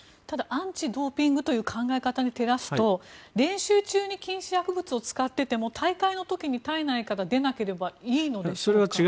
ただ、アンチドーピングという考え方に照らすと練習中に禁止薬物を使ってても大会の時に体内から出なければいいんですか？